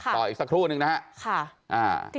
ต่ออีกสักครู่นึงนะครับ